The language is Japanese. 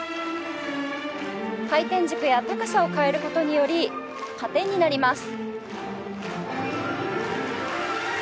回転軸や高さを変える事により加点になります。